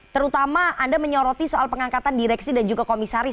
terutama anda menyoroti soal pengangkatan direksi dan juga komisaris